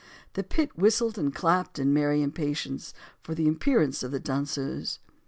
The pit whistled and clapped in merry impatience for the appearance of the danseuse.